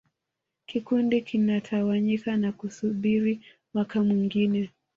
Kikundi kinatawanyika na kusubiri mwaka mwingine